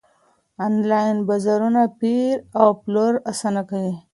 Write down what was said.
انلاين بازارونه پېر او پلور اسانه کوي.